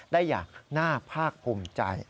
ได้อย่างน่าภาคภูมิใจ